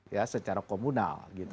ya secara komunal